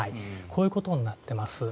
こういうことになっています。